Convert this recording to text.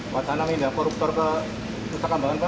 pak tanam ini korupsor ke nusa kambangan pak